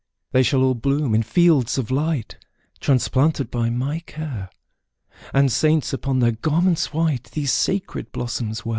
``They shall all bloom in fields of light, Transplanted by my care, And saints, upon their garments white, These sacred blossoms wear.''